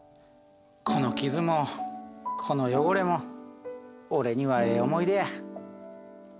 この傷もこの汚れも俺にはええ思い出や。